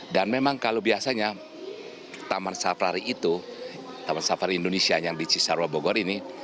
dan memang kalau biasanya taman safari itu taman safari indonesia yang di cisarua bogor ini